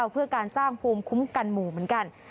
เพื่อการสร้างภูมิคุ้มกันหมู่เหมือนกัน